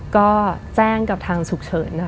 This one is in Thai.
ก็แจ้งกับทางฉุกเฉิน